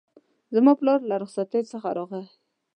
زما پلار له رخصتی څخه راغی